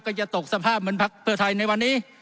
ก็จะตกสภาพเหมือนพรรดาเพิศไทยในวันนี้